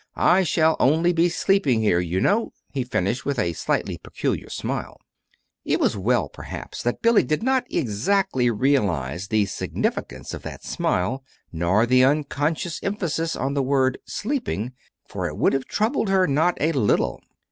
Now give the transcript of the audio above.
"I shall only be sleeping here, you know," he finished, with a slightly peculiar smile. It was well, perhaps, that Billy did not exactly realize the significance of that smile, nor the unconscious emphasis on the word "sleeping," for it would have troubled her not a little.